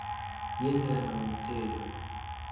jen la mantelo!